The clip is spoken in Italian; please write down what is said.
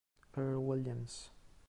Earl Williams